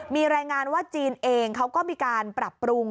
มีรายงานว่าจีนเองเขาก็มีการปรับปรุง